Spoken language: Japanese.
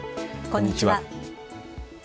こんにちは。